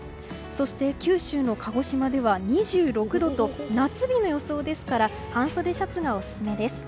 そして九州の鹿児島では２６度と夏日の予想ですから半袖シャツがオススメです。